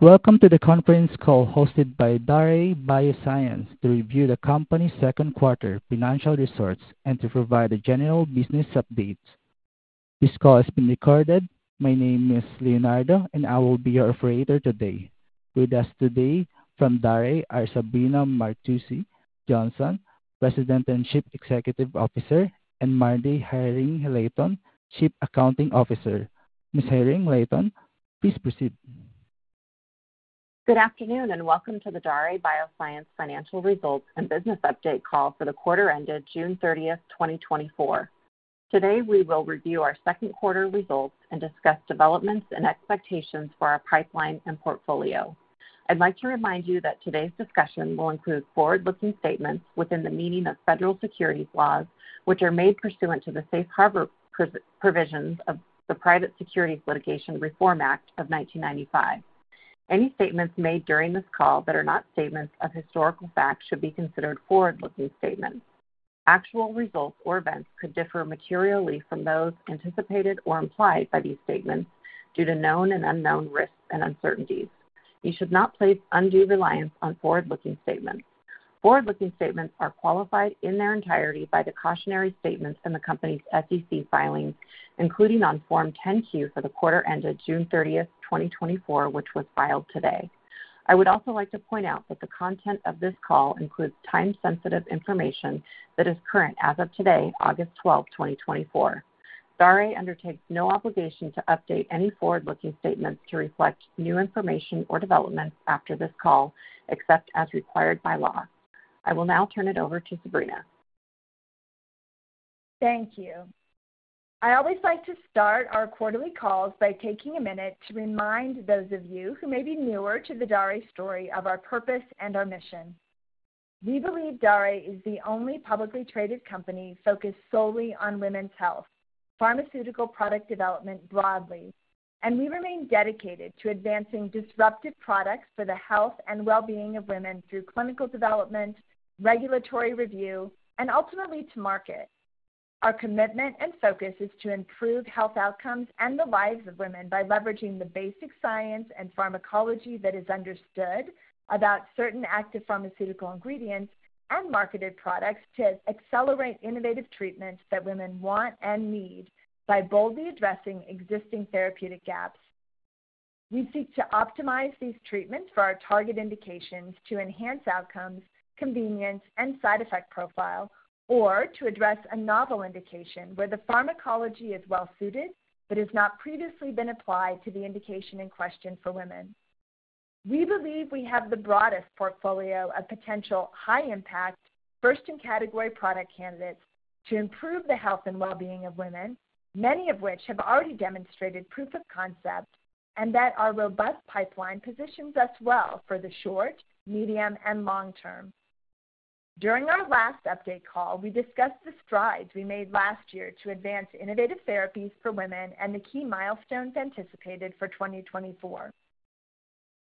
Welcome to the conference call hosted by Daré Bioscience to review the company's second quarter financial results and to provide a general business update. This call is being recorded. My name is Leonardo, and I will be your operator today. With us today from Daré are Sabrina Martucci Johnson, President and Chief Executive Officer, and MarDee Haring-Layton, Chief Accounting Officer. Ms. Haring-Layton, please proceed. Good afternoon, and welcome to the Daré Bioscience financial results and business update call for the quarter ended June 30, 2024. Today, we will review our second quarter results and discuss developments and expectations for our pipeline and portfolio. I'd like to remind you that today's discussion will include forward-looking statements within the meaning of federal securities laws, which are made pursuant to the Safe Harbor provisions of the Private Securities Litigation Reform Act of 1995. Any statements made during this call that are not statements of historical fact should be considered forward-looking statements. Actual results or events could differ materially from those anticipated or implied by these statements due to known and unknown risks and uncertainties. You should not place undue reliance on forward-looking statements. Forward-looking statements are qualified in their entirety by the cautionary statements in the company's SEC filings, including on Form 10-Q for the quarter ended June 30, 2024, which was filed today. I would also like to point out that the content of this call includes time-sensitive information that is current as of today, August 12, 2024. Daré undertakes no obligation to update any forward-looking statements to reflect new information or developments after this call, except as required by law. I will now turn it over to Sabrina. Thank you. I always like to start our quarterly calls by taking a minute to remind those of you who may be newer to the Daré story of our purpose and our mission. We believe Daré is the only publicly traded company focused solely on women's health, pharmaceutical product development broadly, and we remain dedicated to advancing disruptive products for the health and well-being of women through clinical development, regulatory review, and ultimately to market. Our commitment and focus is to improve health outcomes and the lives of women by leveraging the basic science and pharmacology that is understood about certain active pharmaceutical ingredients and marketed products to accelerate innovative treatments that women want and need by boldly addressing existing therapeutic gaps. We seek to optimize these treatments for our target indications to enhance outcomes, convenience, and side effect profile, or to address a novel indication where the pharmacology is well suited but has not previously been applied to the indication in question for women. We believe we have the broadest portfolio of potential high-impact, first-in-category product candidates to improve the health and well-being of women, many of which have already demonstrated proof of concept, and that our robust pipeline positions us well for the short, medium, and long term. During our last update call, we discussed the strides we made last year to advance innovative therapies for women and the key milestones anticipated for 2024.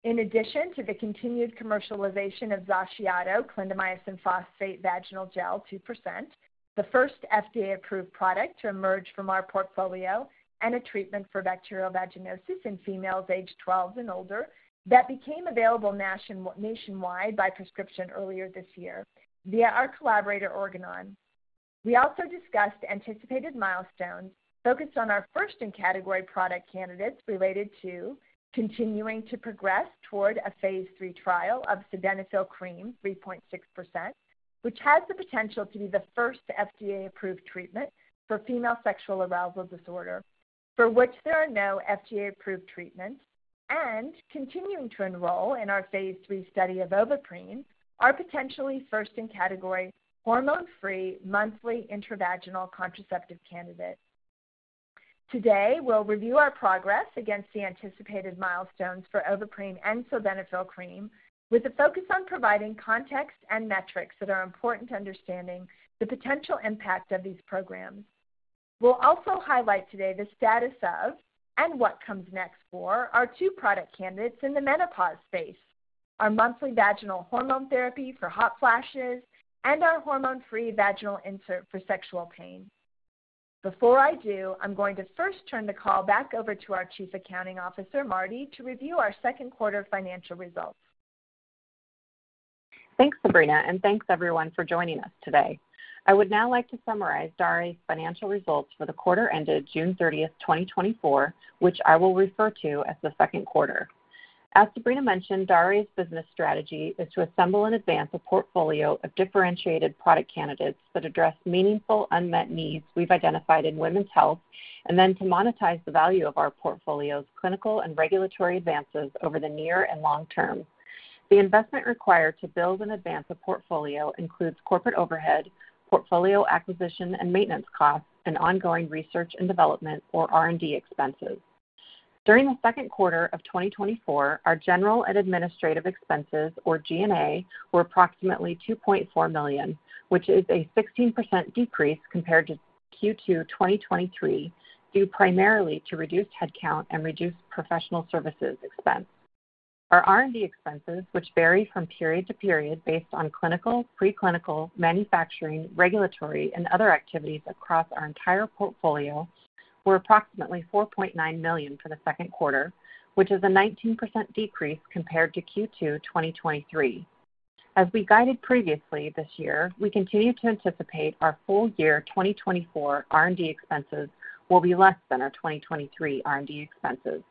In addition to the continued commercialization of XACIATO, clindamycin phosphate vaginal gel 2%, the first FDA-approved product to emerge from our portfolio and a treatment for bacterial vaginosis in females aged 12 and older, that became available nationwide by prescription earlier this year via our collaborator, Organon. We also discussed anticipated milestones focused on our first-in-category product candidates related to continuing to progress toward a phase III trial of Sildenafil Cream, 3.6%, which has the potential to be the first FDA-approved treatment for female sexual arousal disorder, for which there are no FDA-approved treatments, and continuing to enroll in our phase III study of Ovaprene, our potentially first-in-category, hormone-free, monthly intravaginal contraceptive candidate. Today, we'll review our progress against the anticipated milestones for Ovaprene and Sildenafil Cream, with a focus on providing context and metrics that are important to understanding the potential impact of these programs. We'll also highlight today the status of and what comes next for our two product candidates in the menopause space, our monthly vaginal hormone therapy for hot flashes and our hormone-free vaginal insert for sexual pain. Before I do, I'm going to first turn the call back over to our Chief Accounting Officer, MarDee, to review our second quarter financial results. Thanks, Sabrina, and thanks everyone for joining us today. I would now like to summarize Daré's financial results for the quarter ended June 30, 2024, which I will refer to as the second quarter. As Sabrina mentioned, Daré's business strategy is to assemble and advance a portfolio of differentiated product candidates that address meaningful unmet needs we've identified in women's health, and then to monetize the value of our portfolio's clinical and regulatory advances over the near and long term. The investment required to build and advance a portfolio includes corporate overhead, portfolio acquisition and maintenance costs, and ongoing research and development, or R&D, expenses. During the second quarter of 2024, our general and administrative expenses, or G&A, were approximately $2.4 million, which is a 16% decrease compared to Q2 2023, due primarily to reduced headcount and reduced professional services expense. Our R&D expenses, which vary from period to period based on clinical, preclinical, manufacturing, regulatory, and other activities across our entire portfolio, were approximately $4.9 million for the second quarter, which is a 19% decrease compared to Q2 2023. As we guided previously this year, we continue to anticipate our full year 2024 R&D expenses will be less than our 2023 R&D expenses.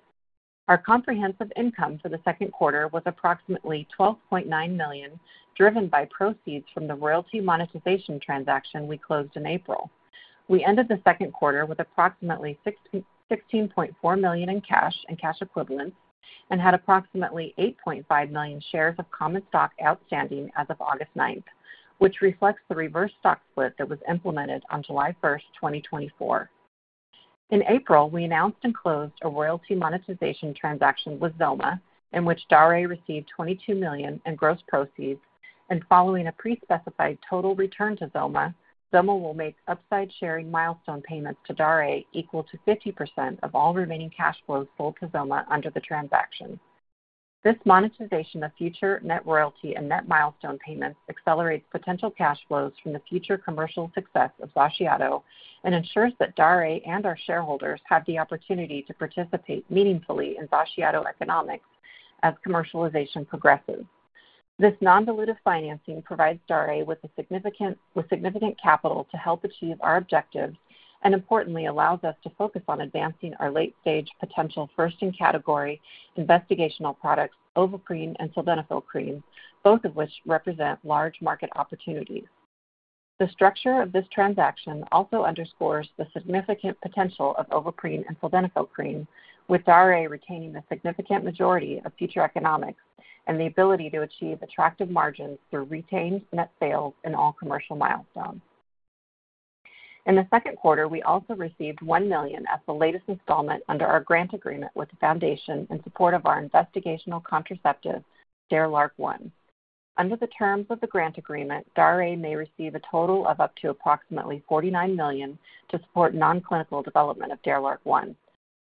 Our comprehensive income for the second quarter was approximately $12.9 million, driven by proceeds from the royalty monetization transaction we closed in April. We ended the second quarter with approximately $16.4 million in cash and cash equivalents and had approximately 8.5 million shares of common stock outstanding as of August 9, which reflects the reverse stock split that was implemented on July 1, 2024. In April, we announced and closed a royalty monetization transaction with XOMA, in which Daré received $22 million in gross proceeds, and following a pre-specified total return to XOMA, XOMA will make upside sharing milestone payments to Daré, equal to 50% of all remaining cash flows sold to XOMA under the transaction. This monetization of future net royalty and net milestone payments accelerates potential cash flows from the future commercial success of XACIATO and ensures that Daré and our shareholders have the opportunity to participate meaningfully in XACIATO economics as commercialization progresses. This non-dilutive financing provides Daré with significant capital to help achieve our objectives and importantly, allows us to focus on advancing our late-stage potential first-in-category investigational products, Ovaprene and Sildenafil Cream, both of which represent large market opportunities. The structure of this transaction also underscores the significant potential of Ovaprene and Sildenafil Cream, with Daré retaining the significant majority of future economics and the ability to achieve attractive margins through retained net sales in all commercial milestones. In the second quarter, we also received $1 million as the latest installment under our grant agreement with the foundation in support of our investigational contraceptive, DARE-LARC1. Under the terms of the grant agreement, Daré may receive a total of up to approximately $49 million to support non-clinical development of DARE-LARC1.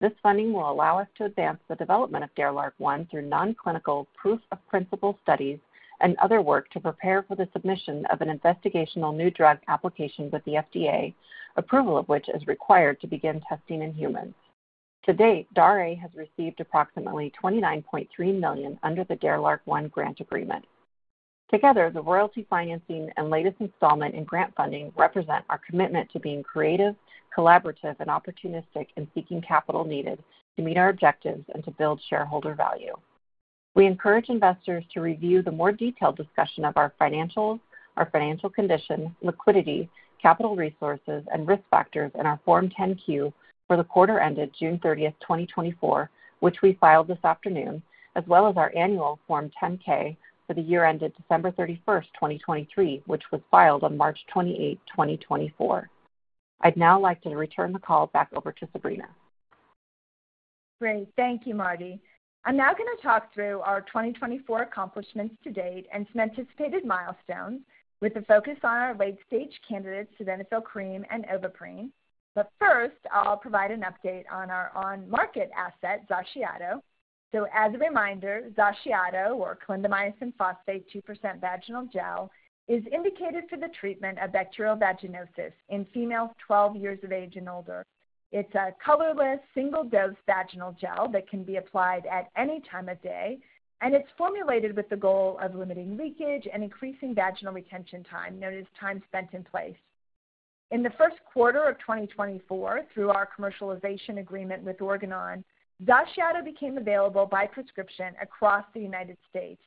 This funding will allow us to advance the development of DARE-LARC1 through non-clinical proof of principle studies and other work to prepare for the submission of an investigational new drug application with the FDA, approval of which is required to begin testing in humans. To date, Daré has received approximately $29.3 million under the DARE-LARC1 grant agreement. Together, the royalty financing and latest installment in grant funding represent our commitment to being creative, collaborative and opportunistic in seeking capital needed to meet our objectives and to build shareholder value. We encourage investors to review the more detailed discussion of our financials, our financial condition, liquidity, capital resources and risk factors in our Form 10-Q for the quarter ended June 30, 2024, which we filed this afternoon, as well as our annual Form 10-K for the year ended December 31st, 2023, which was filed on March 28, 2024. I'd now like to return the call back over to Sabrina. Great. Thank you, MarDee. I'm now going to talk through our 2024 accomplishments to date and some anticipated milestones, with a focus on our late stage candidates, Sildenafil Cream and Ovaprene. But first, I'll provide an update on our on-market asset, XACIATO. So as a reminder, XACIATO or clindamycin phosphate 2% vaginal gel, is indicated for the treatment of bacterial vaginosis in females 12 years of age and older. It's a colorless, single-dose vaginal gel that can be applied at any time of day, and it's formulated with the goal of limiting leakage and increasing vaginal retention time, known as time spent in place. In the first quarter of 2024, through our commercialization agreement with Organon, XACIATO became available by prescription across the United States.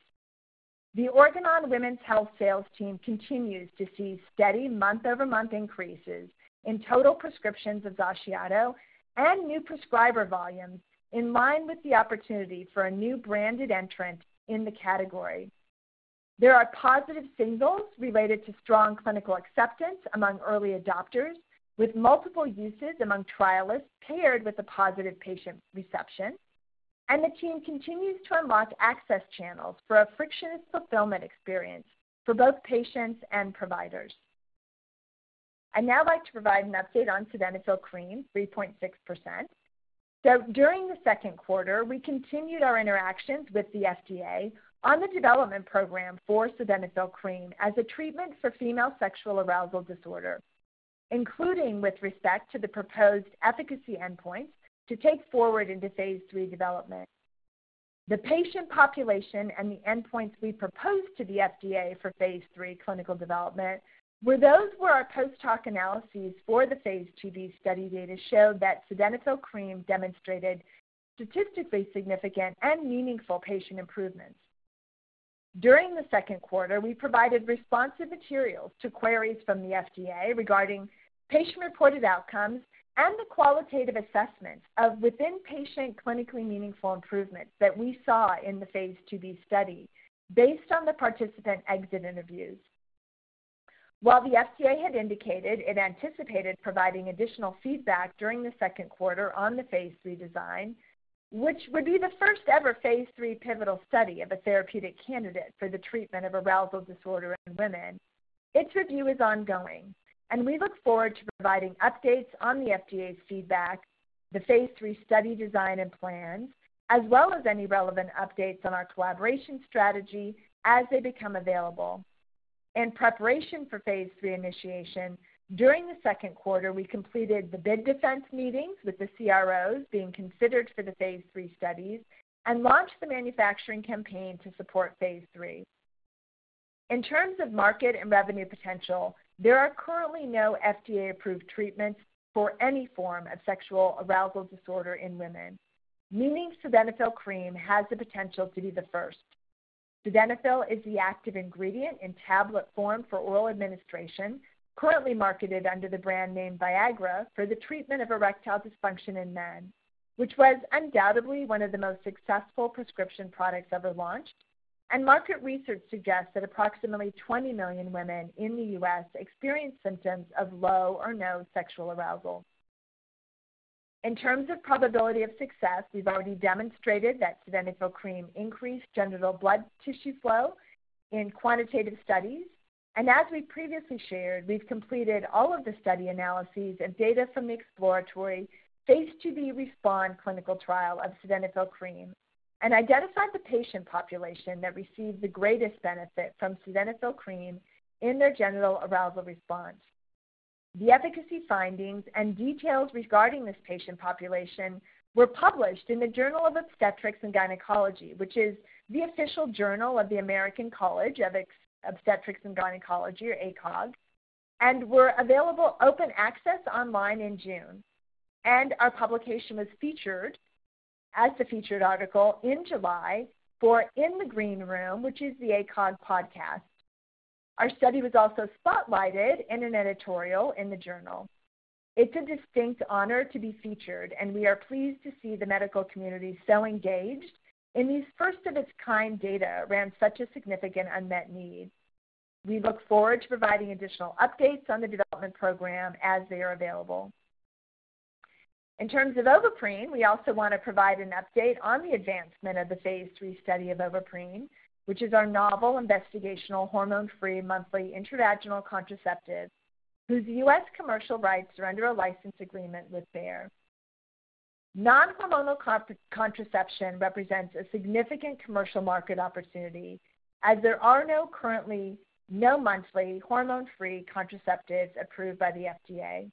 The Organon Women's Health sales team continues to see steady month-over-month increases in total prescriptions of XACIATO and new prescriber volumes, in line with the opportunity for a new branded entrant in the category. There are positive signals related to strong clinical acceptance among early adopters, with multiple uses among trialists paired with a positive patient reception, and the team continues to unlock access channels for a frictionless fulfillment experience for both patients and providers. I'd now like to provide an update on Sildenafil Cream 3.6%. During the second quarter, we continued our interactions with the FDA on the development program for Sildenafil Cream as a treatment for female sexual arousal disorder, including with respect to the proposed efficacy endpoints to take forward into phase III development. The patient population and the endpoints we proposed to the FDA for phase III clinical development were those where our post-hoc analyses for the phase II-B study data showed that sildenafil cream demonstrated statistically significant and meaningful patient improvements. During the second quarter, we provided responsive materials to queries from the FDA regarding patient-reported outcomes and the qualitative assessment of within-patient clinically meaningful improvements that we saw in the phase II-B study based on the participant exit interviews. While the FDA had indicated it anticipated providing additional feedback during the second quarter on the phase III design, which would be the first ever phase III pivotal study of a therapeutic candidate for the treatment of arousal disorder in women, its review is ongoing, and we look forward to providing updates on the FDA's feedback, the phase III study design and plans, as well as any relevant updates on our collaboration strategy as they become available. In preparation for phase III initiation, during the second quarter, we completed the bid defense meetings with the CROs being considered for the phase III studies and launched the manufacturing campaign to support phase III. In terms of market and revenue potential, there are currently no FDA-approved treatments for any form of sexual arousal disorder in women, meaning Sildenafil Cream has the potential to be the first. Sildenafil is the active ingredient in tablet form for oral administration, currently marketed under the brand name Viagra for the treatment of erectile dysfunction in men, which was undoubtedly one of the most successful prescription products ever launched. Market research suggests that approximately 20 million women in the U.S. experience symptoms of low or no sexual arousal. In terms of probability of success, we've already demonstrated that Sildenafil Cream increased genital blood tissue flow in quantitative studies. As we previously shared, we've completed all of the study analyses and data from the exploratory phase II-B RESPOND clinical trial of Sildenafil Cream and identified the patient population that received the greatest benefit from Sildenafil Cream in their genital arousal response. The efficacy findings and details regarding this patient population were published in the Obstetrics & Gynecology, which is the official journal of the American College of Obstetricians and Gynecologists, or ACOG, and were available open access online in June. Our publication was featured as the featured article in July for In the Green Room, which is the ACOG podcast. Our study was also spotlighted in an editorial in the journal. It's a distinct honor to be featured, and we are pleased to see the medical community so engaged in these first-of-its-kind data around such a significant unmet need. We look forward to providing additional updates on the development program as they are available. In terms of Ovaprene, we also want to provide an update on the advancement of the phase III study of Ovaprene, which is our novel investigational hormone-free monthly intravaginal contraceptive, whose U.S. commercial rights are under a license agreement with Bayer. Non-hormonal contraception represents a significant commercial market opportunity, as there are currently no monthly hormone-free contraceptives approved by the FDA.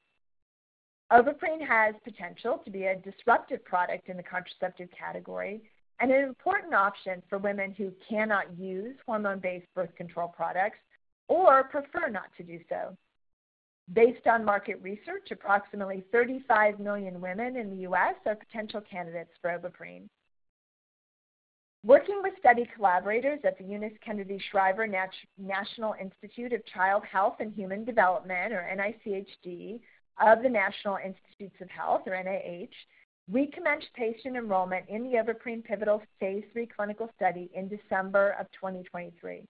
Ovaprene has potential to be a disruptive product in the contraceptive category and an important option for women who cannot use hormone-based birth control products or prefer not to do so. Based on market research, approximately 35 million women in the U.S. are potential candidates for Ovaprene. Working with study collaborators at the Eunice Kennedy Shriver National Institute of Child Health and Human Development, or NICHD, of the National Institutes of Health, or NIH, we commenced patient enrollment in the Ovaprene pivotal phase III clinical study in December 2023.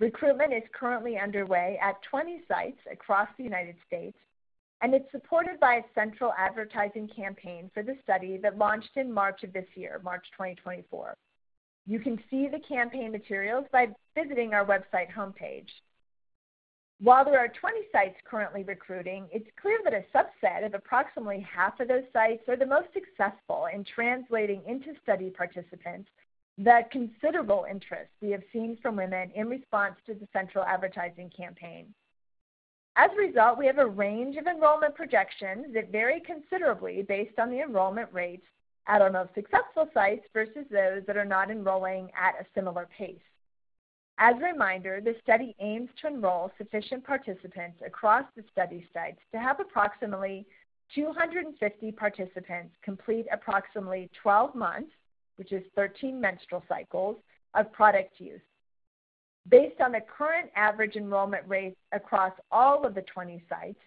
Recruitment is currently underway at 20 sites across the United States, and it's supported by a central advertising campaign for the study that launched in March of this year, March 2024. You can see the campaign materials by visiting our website homepage. While there are 20 sites currently recruiting, it's clear that a subset of approximately half of those sites are the most successful in translating into study participants the considerable interest we have seen from women in response to the central advertising campaign. As a result, we have a range of enrollment projections that vary considerably based on the enrollment rates at our most successful sites versus those that are not enrolling at a similar pace. As a reminder, the study aims to enroll sufficient participants across the study sites to have approximately 250 participants complete approximately 12 months, which is 13 menstrual cycles, of product use. Based on the current average enrollment rates across all of the 20 sites,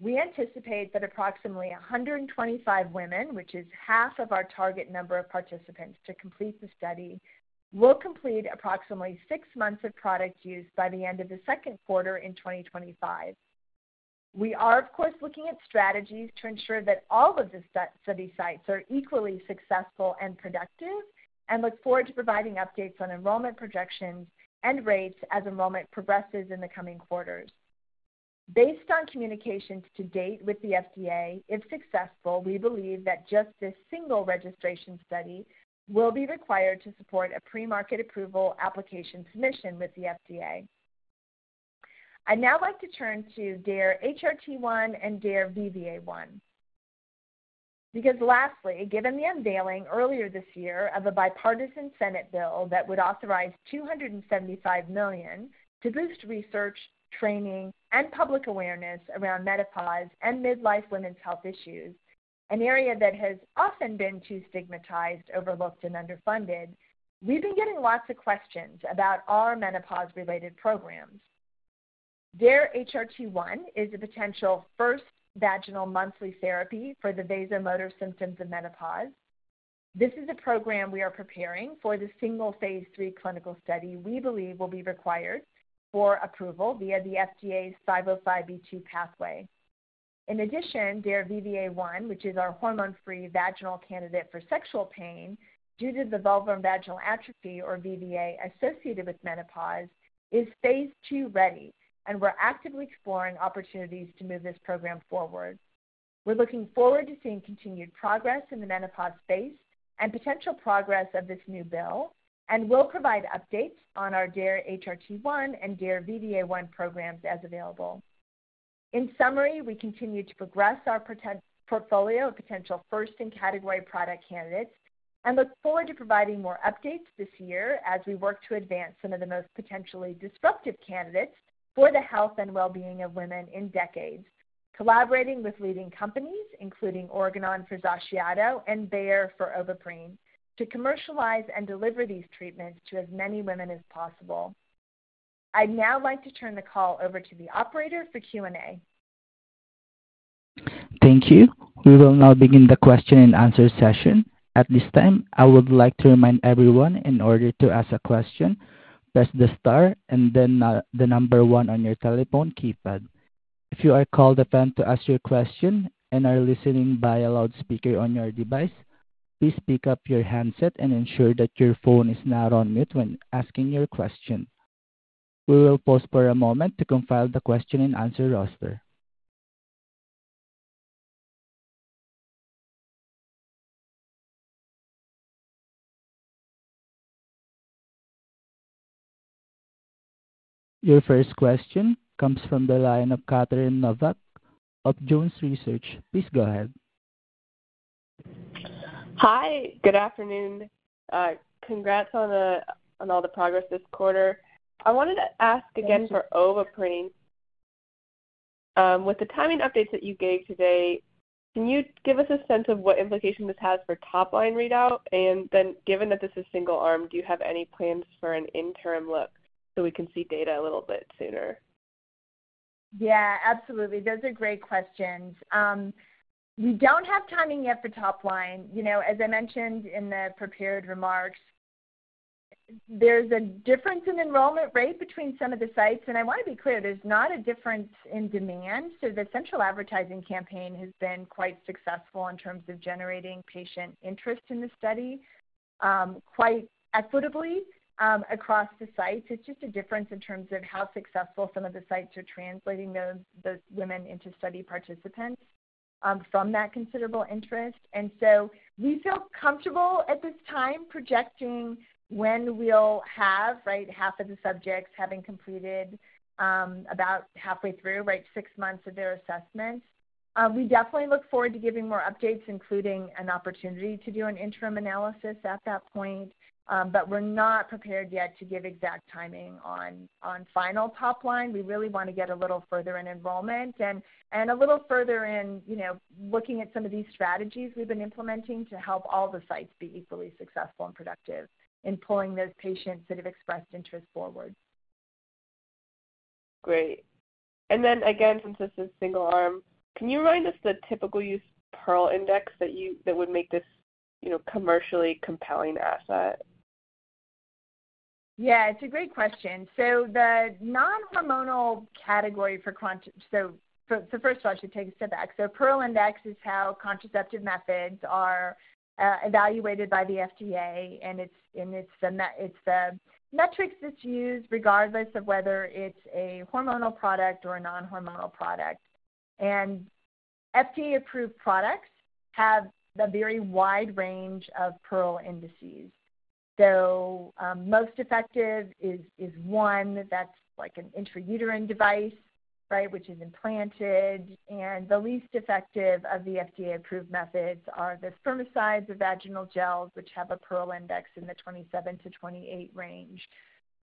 we anticipate that approximately 125 women, which is half of our target number of participants, to complete the study, will complete approximately six months of product use by the end of the second quarter in 2025. We are, of course, looking at strategies to ensure that all of the study sites are equally successful and productive, and look forward to providing updates on enrollment projections and rates as enrollment progresses in the coming quarters. Based on communications to date with the FDA, if successful, we believe that just this single registration study will be required to support a pre-market approval application submission with the FDA. I'd now like to turn to DARE-HRT1 and DARE-VVA1. Because lastly, given the unveiling earlier this year of a bipartisan Senate bill that would authorize $275 million to boost research, training, and public awareness around menopause and midlife women's health issues, an area that has often been too stigmatized, overlooked and underfunded, we've been getting lots of questions about our menopause-related programs. DARE-HRT1 is a potential first vaginal monthly therapy for the vasomotor symptoms of menopause. This is a program we are preparing for the single phase III clinical study we believe will be required for approval via the FDA's 505(b)(2) pathway. In addition, DARE-VVA1, which is our hormone-free vaginal candidate for sexual pain due to the vulvar and vaginal atrophy, or VVA, associated with menopause, is phase 2 ready, and we're actively exploring opportunities to move this program forward. We're looking forward to seeing continued progress in the menopause space and potential progress of this new bill, and we'll provide updates on our DARE-HRT1 and DARE-VVA1 programs as available. In summary, we continue to progress our potential portfolio of potential first-in-category product candidates and look forward to providing more updates this year as we work to advance some of the most potentially disruptive candidates for the health and well-being of women in decades. Collaborating with leading companies, including Organon for XACIATO and Bayer for Ovaprene, to commercialize and deliver these treatments to as many women as possible. I'd now like to turn the call over to the operator for Q&A. Thank you. We will now begin the question-and-answer session. At this time, I would like to remind everyone, in order to ask a question, press the star and then the number one on your telephone keypad. If you are called upon to ask your question and are listening via loudspeaker on your device, please pick up your handset and ensure that your phone is not on mute when asking your question. We will pause for a moment to compile the question-and-answer roster. Your first question comes from the line of Catherine Novack of Jones Research. Please go ahead. Hi, good afternoon. Congrats on the, on all the progress this quarter. I wanted to ask again for Ovaprene. With the timing updates that you gave today, can you give us a sense of what implication this has for top-line readout? And then, given that this is single arm, do you have any plans for an interim look so we can see data a little bit sooner? Yeah, absolutely. Those are great questions. We don't have timing yet for top line. You know, as I mentioned in the prepared remarks, there's a difference in enrollment rate between some of the sites, and I want to be clear, there's not a difference in demand. So the central advertising campaign has been quite successful in terms of generating patient interest in the study, quite equitably, across the sites. It's just a difference in terms of how successful some of the sites are translating those, those women into study participants, from that considerable interest. And so we feel comfortable at this time projecting when we'll have, right, half of the subjects having completed, about halfway through, right, six months of their assessment. We definitely look forward to giving more updates, including an opportunity to do an interim analysis at that point, but we're not prepared yet to give exact timing on final top line. We really want to get a little further in enrollment and a little further in, you know, looking at some of these strategies we've been implementing to help all the sites be equally successful and productive in pulling those patients that have expressed interest forward. Great. And then again, since this is single arm, can you remind us the typical use Pearl Index that you—that would make this, you know, commercially compelling asset? Yeah, it's a great question. So the non-hormonal category for... So first of all, I should take a step back. So Pearl Index is how contraceptive methods are evaluated by the FDA, and it's the metrics that's used, regardless of whether it's a hormonal product or a non-hormonal product. And FDA-approved products have a very wide range of Pearl Indices. So most effective is one that's like an intrauterine device, right, which is implanted, and the least effective of the FDA-approved methods are the spermicides, the vaginal gels, which have a Pearl Index in the 27-28 range.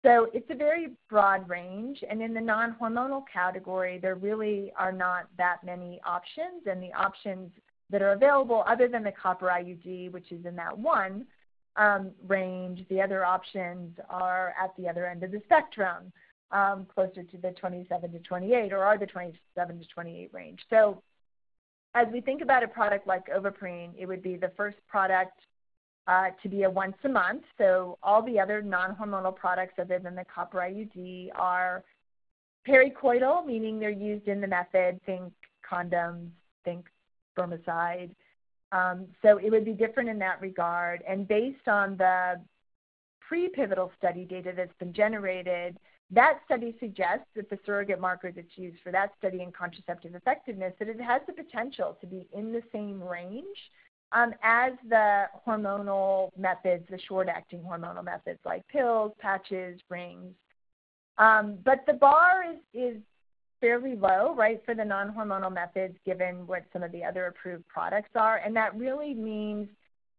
So it's a very broad range. And in the non-hormonal category, there really are not that many options, and the options that are available, other than the Copper IUD, which is in that one range, the other options are at the other end of the spectrum, closer to the 27-28 or are the 27-28 range. So as we think about a product like Ovaprene, it would be the first product to be a once a month. So all the other non-hormonal products, other than the Copper IUD, are peri-coital, meaning they're used in the method, think condoms, think spermicide. So it would be different in that regard. Based on the pre-pivotal study data that's been generated, that study suggests that the surrogate marker that's used for that study in contraceptive effectiveness, that it has the potential to be in the same range as the hormonal methods, the short-acting hormonal methods like pills, patches, rings. But the bar is fairly low, right, for the non-hormonal methods given what some of the other approved products are. And that really means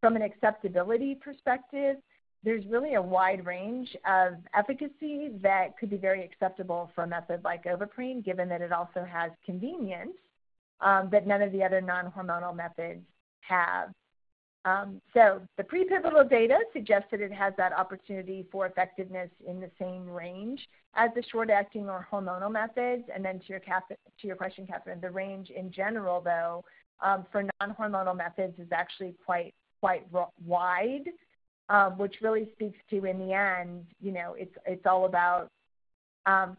from an acceptability perspective, there's really a wide range of efficacy that could be very acceptable for a method like Ovaprene, given that it also has convenience that none of the other non-hormonal methods have. So the pre-pivotal data suggests that it has that opportunity for effectiveness in the same range as the short-acting or hormonal methods. And then to your cat... To your question, Catherine, the range in general, though, for non-hormonal methods is actually quite, quite wide. Which really speaks to, in the end, you know, it's, it's all about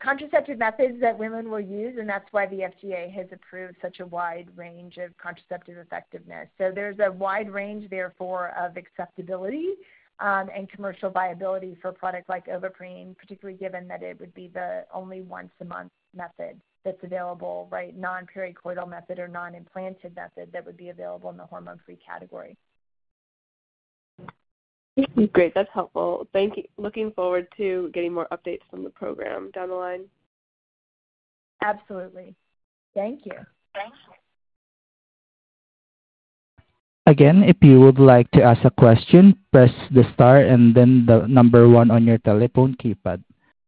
contraceptive methods that women will use, and that's why the FDA has approved such a wide range of contraceptive effectiveness. So there's a wide range, therefore, of acceptability, and commercial viability for a product like Ovaprene, particularly given that it would be the only once-a-month method that's available, right? Non-pericoital method or non-implanted method that would be available in the hormone-free category. Great. That's helpful. Thank you. Looking forward to getting more updates from the program down the line. Absolutely. Thank you. Thank you. Again, if you would like to ask a question, press the star and then the number one on your telephone keypad.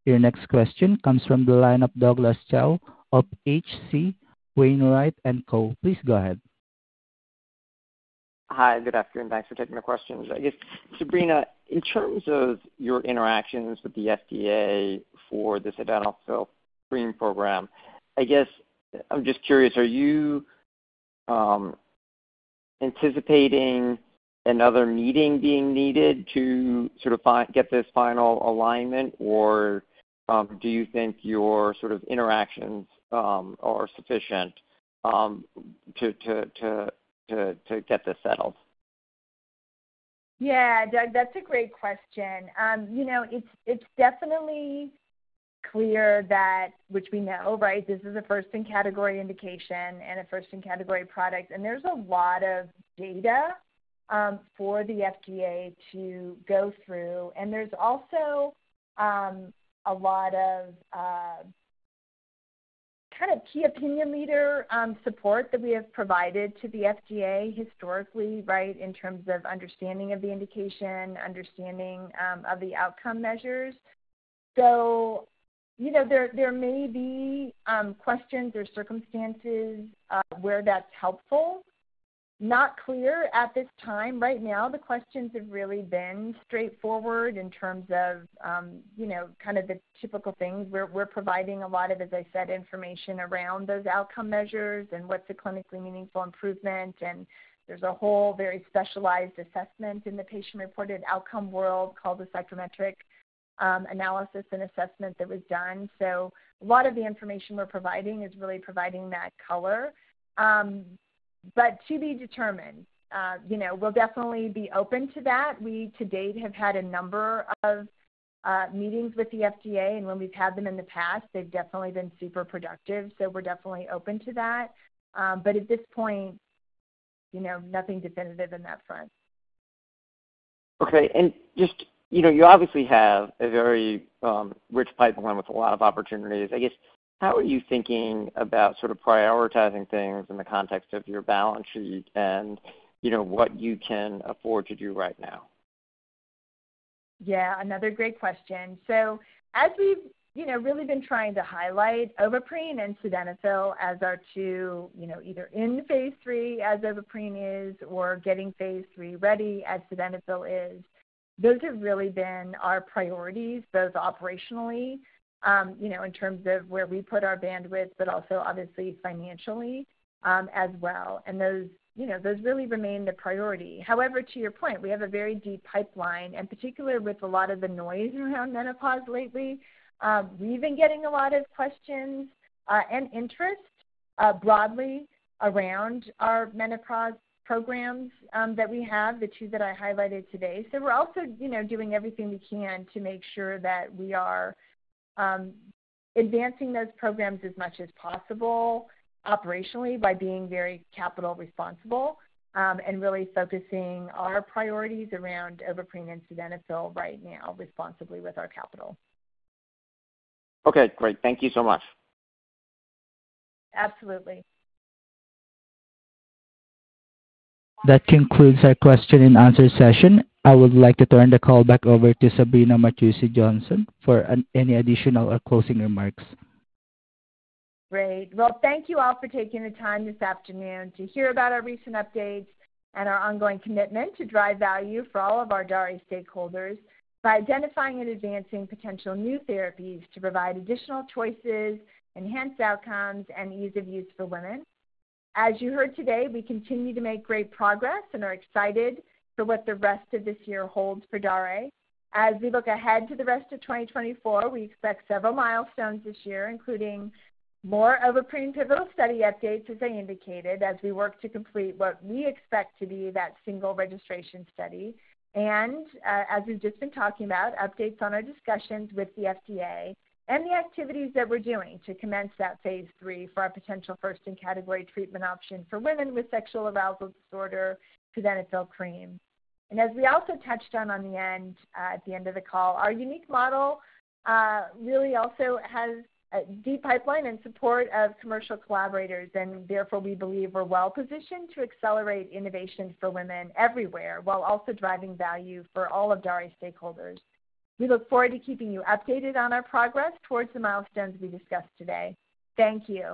Your next question comes from the line of Douglas Tsao of H.C. Wainwright & Co. Please go ahead. Hi, good afternoon. Thanks for taking my questions. I guess, Sabrina, in terms of your interactions with the FDA for the Sildenafil Cream program, I guess I'm just curious, are you anticipating another meeting being needed to sort of get this final alignment, or do you think your sort of interactions are sufficient to get this settled? Yeah, Doug, that's a great question. You know, it's definitely clear that which we know, right? This is a first-in-category indication and a first-in-category product, and there's a lot of data for the FDA to go through. And there's also a lot of kind of key opinion leader support that we have provided to the FDA historically, right, in terms of understanding of the indication, understanding of the outcome measures. So, you know, there may be questions or circumstances where that's helpful. Not clear at this time. Right now, the questions have really been straightforward in terms of, you know, kind of the typical things. We're providing a lot of, as I said, information around those outcome measures and what's a clinically meaningful improvement. There's a whole very specialized assessment in the patient-reported outcome world called the psychometric analysis and assessment that was done. A lot of the information we're providing is really providing that color. But to be determined, you know, we'll definitely be open to that. We, to date, have had a number of meetings with the FDA, and when we've had them in the past, they've definitely been super productive, so we're definitely open to that. But at this point, you know, nothing definitive in that front. Okay. And just, you know, you obviously have a very rich pipeline with a lot of opportunities. I guess, how are you thinking about sort of prioritizing things in the context of your balance sheet and you know, what you can afford to do right now? Yeah, another great question. So as we've, you know, really been trying to highlight Ovaprene and Sildenafil as our two, you know, either in the phase III, as Ovaprene is, or getting phase III ready as Sildenafil is, those have really been our priorities, both operationally, you know, in terms of where we put our bandwidth, but also obviously financially, as well. And those, you know, those really remain the priority. However, to your point, we have a very deep pipeline, and particularly with a lot of the noise around menopause lately, we've been getting a lot of questions, and interest, broadly around our menopause programs, that we have, the two that I highlighted today. So we're also, you know, doing everything we can to make sure that we are advancing those programs as much as possible operationally by being very capital responsible, and really focusing our priorities around Ovaprene and Sildenafil right now, responsibly with our capital. Okay, great. Thank you so much. Absolutely. That concludes our question and answer session. I would like to turn the call back over to Sabrina Martucci Johnson for any additional or closing remarks. Great. Well, thank you all for taking the time this afternoon to hear about our recent updates and our ongoing commitment to drive value for all of our Daré stakeholders by identifying and advancing potential new therapies to provide additional choices, enhanced outcomes, and ease of use for women. As you heard today, we continue to make great progress and are excited for what the rest of this year holds for Daré. As we look ahead to the rest of 2024, we expect several milestones this year, including more of a pre-pivotal study updates, as I indicated, as we work to complete what we expect to be that single registration study. As we've just been talking about, updates on our discussions with the FDA and the activities that we're doing to commence that phase 3 for our potential first-in-category treatment option for women with sexual arousal disorder, Sildenafil Cream. As we also touched on, at the end of the call, our unique model really also has a deep pipeline in support of commercial collaborators, and therefore we believe we're well positioned to accelerate innovation for women everywhere, while also driving value for all of Daré stakeholders. We look forward to keeping you updated on our progress towards the milestones we discussed today. Thank you.